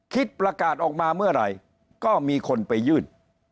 ประกาศออกมาเมื่อไหร่ก็มีคนไปยื่น